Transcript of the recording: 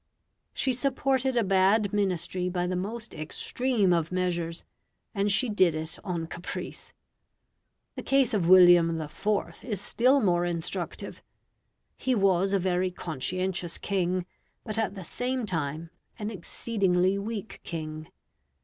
She supported a bad Ministry by the most extreme of measures, and she did it on caprice. The case of William IV. is still more instructive. He was a very conscientious king, but at the same time an exceedingly weak king.